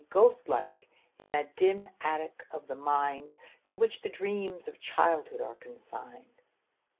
Ghost like, in that dim attic of the mind To which the dreams of childhood are consigned.